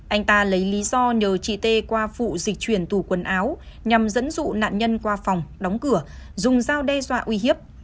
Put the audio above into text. anh ta lấy lý do nhờ chị tê qua phụ dịch chuyển tủ quần áo nhằm dẫn dụ nạn nhân qua phòng đóng cửa dùng dao đe dọa uy hiếp